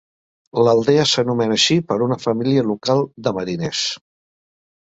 L'aldea s'anomena així per una família local de mariners.